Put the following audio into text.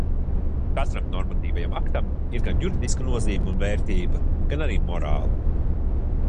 Katram normatīvajam aktam ir gan juridiska nozīme un vērtība, gan arī morāla.